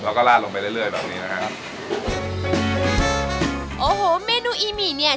แล้วก็ลาดลงไปเรื่อยเรื่อยแบบนี้นะครับโอ้โหเมนูอีหมี่เนี้ย